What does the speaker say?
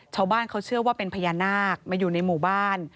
ชาวบ้านเขาเชื่อว่าเป็นพญานาคมาอยู่ในหมู่บ้าน